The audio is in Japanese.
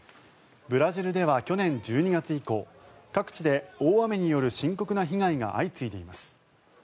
ブラジルでは去年１２月以降各地で大雨による深刻な被害が相次いでいます。